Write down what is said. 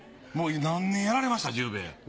もう何年やられました十兵衛。